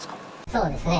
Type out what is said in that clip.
そうですね。